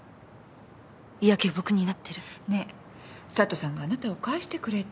いや下僕になってるねえ佐都さんがあなたを返してくれって。